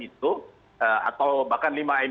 itu atau bahkan lima m